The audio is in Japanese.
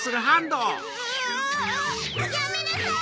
やめなさい！